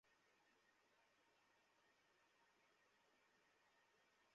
আমার উপর দিয়েও অবশ্য কম ঝক্কি যায়নি।